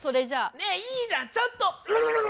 ねえいいじゃんちょっと。